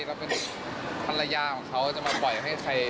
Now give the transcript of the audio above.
แล้วเป็นภรรยาของเขาจะมาปล่อยให้ใคร